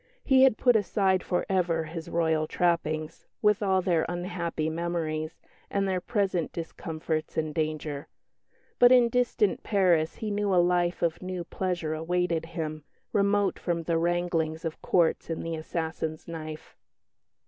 He had put aside for ever his Royal trappings, with all their unhappy memories, and their present discomforts and danger; but in distant Paris he knew a life of new pleasure awaited him, remote from the wranglings of Courts and the assassin's knife.